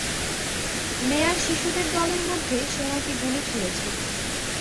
মেয়ে আর শিশুদের দলের মধ্যে সে নাকি গুলি ছুড়েছে।